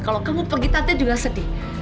kalau kamu pergi tante juga sedih